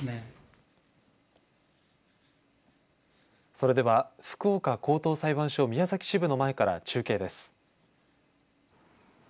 それでは福岡高等裁判所宮崎支部の前から中継です。